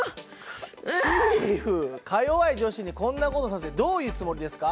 チーフかよわい女子にこんな事させてどういうつもりですか？